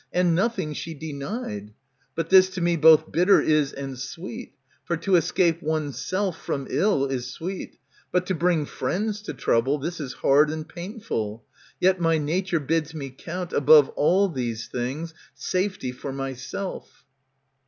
And nothing she denied. But this to me both bitter is and sweet, For to escape one's self from ill is sweet, But to bring friends to trouble, this is hard And painful. Yet my nature bids me count Above all these things safety for myself.